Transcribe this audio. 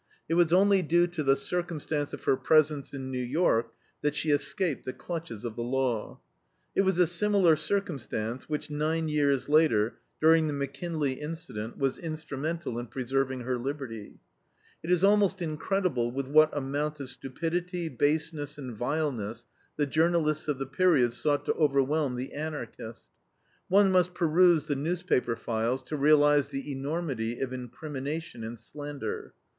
It was only due to the circumstance of her presence in New York that she escaped the clutches of the law. It was a similar circumstance which, nine years later, during the McKinley incident, was instrumental in preserving her liberty. It is almost incredible with what amount of stupidity, baseness, and vileness the journalists of the period sought to overwhelm the Anarchist. One must peruse the newspaper files to realize the enormity of incrimination and slander.